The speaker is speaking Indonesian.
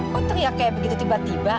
mau teriak kayak begitu tiba tiba